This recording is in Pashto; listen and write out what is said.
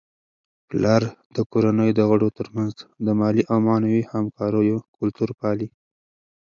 پلار د کورنی د غړو ترمنځ د مالي او معنوي همکاریو کلتور پالي.